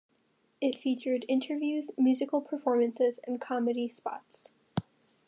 It featured interviews, musical performances and comedy spots.